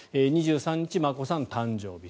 ２３日、眞子さん誕生日。